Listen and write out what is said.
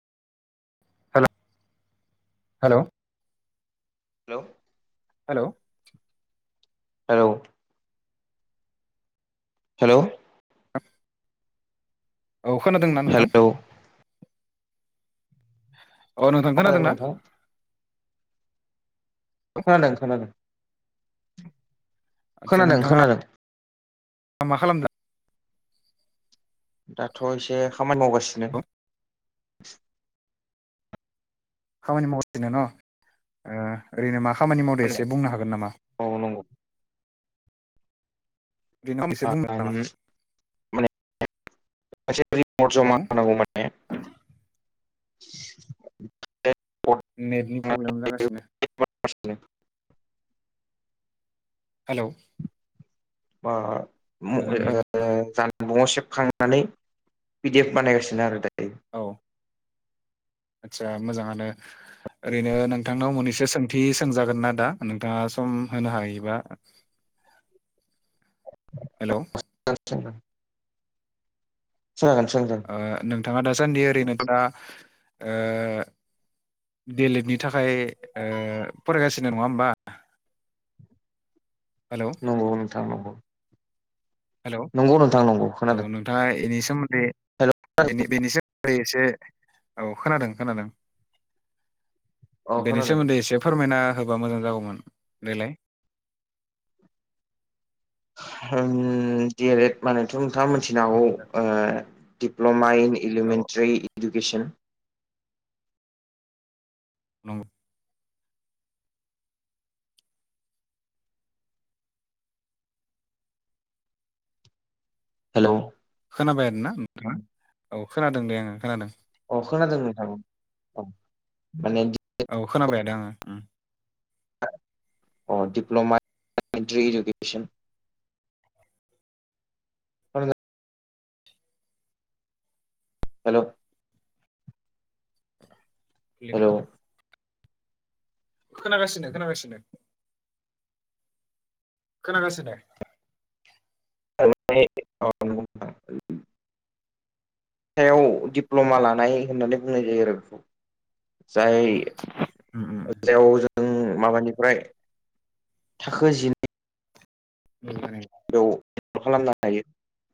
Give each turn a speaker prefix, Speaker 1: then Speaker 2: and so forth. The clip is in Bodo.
Speaker 1: हेल' हेल'।
Speaker 2: हेल'
Speaker 1: हेल'
Speaker 2: औव हेल हेल'।
Speaker 1: औ खोनादों ना नोंथां?
Speaker 2: हेलौ
Speaker 1: अ नोंथां
Speaker 2: खोनादों
Speaker 1: खोनादोंना?
Speaker 2: नोंथां खोनादों खोनादों खोनादों।
Speaker 1: दा मा खालामदों
Speaker 2: दाथ' एसे खामानि मावगासिनो।
Speaker 1: खामानि मावासिनो न' ओ ओरैनो मा खामानि मावदो एसे बुंनो हागोन नामा?
Speaker 2: औ नंगौ।
Speaker 1: ओरैनो एसे बुंनो
Speaker 2: आं माने एसे रिपर्ट
Speaker 1: औ
Speaker 2: जमा होनांगौमोन।
Speaker 1: नेटनि प्रब्लेम जागासिनो।
Speaker 2: नेतनि प्रब्लेम जागासिनो
Speaker 1: हेलौ।
Speaker 2: मा म ओ
Speaker 1: मोजां
Speaker 2: ओ
Speaker 1: नेट नाङाखै
Speaker 2: जान जानबुंआव सेबखांनानै पि डि एफ बानायगासिनो आरो दायो
Speaker 1: औ आतसा मोजाङानो ओरैनो नोंथांनाव मोननैसे सोंथि सोंजागोन ना दा नोंथाङा सम होनो हायोबा हेलौ
Speaker 2: सोंजागोन जागोन सोंजागोन
Speaker 1: ओ नोंथाङा ओरैनो दासान्दि ओ दि एल एड नि थाखाय फरायगासिनो नङा होनबा हेलौ
Speaker 2: नंगौ नोंथां नंगौ
Speaker 1: हेल'
Speaker 2: नंगौ नोंथां नंगौ
Speaker 1: औ
Speaker 2: खोनादों
Speaker 1: नोंथाङा बेनि सोमोन्दै
Speaker 2: हेलौ
Speaker 1: बेनि बेनि सोमोन्दै एसे औ खोनादों खोनादों
Speaker 2: औ
Speaker 1: बेनि
Speaker 2: खोनादों
Speaker 1: सोमोन्दै एसे फोरमायना होबा मोजां जागौमोन देलाय
Speaker 2: ओम दि एल एड मानेथ' नोंथाङा मिथिनो हागौ दिप्ल'मा इन
Speaker 1: औ
Speaker 2: एलिमेन्टारि इडुकेसन
Speaker 1: नंगौ
Speaker 2: हेलौ
Speaker 1: खोनाबाय आरोना नोंथाङा औ खोनादों दे आङो खोनादों
Speaker 2: अ खोनादोंमोन नोंथां माने
Speaker 1: औ खोनाबाय दों आङो
Speaker 2: अ दिडप्ल'मा इलेमेन्ट्रि एडुकेसन आ हेलौ
Speaker 1: गैया नै
Speaker 2: हेलौ
Speaker 1: खोनागासिनो खोनागासिनो खोनागासिनो
Speaker 2: [unintelligible] सायाव दिडप्ल'मा लानाय होननानै बुंनाय जायो आरो बेखौ जाय
Speaker 1: खोनागासिनो
Speaker 2: जेव जों माबानिफ्राय थाखो जिनै
Speaker 1: फ्राय
Speaker 2: बेयाव खालामनो हायो